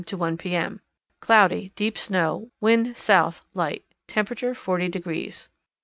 to 1 P. M. Cloudy; deep snow; wind south, light; temperature 40 degrees.